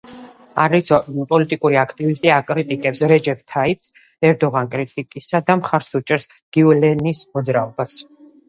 არის პოლიტიკური აქტივისტი: აკრიტიკებს რეჯეფ თაიფ ერდოღანს კრიტიკისა და მხარს უჭერს გიულენის მოძრაობას.